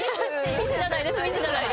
ミスじゃないです。